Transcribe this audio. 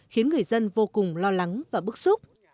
khiến người dân vô cùng lo lắng và bức xúc